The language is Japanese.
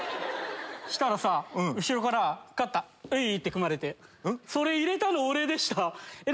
したらさ後ろから肩うぃって組まれて「それ入れたの俺でしたえっ何？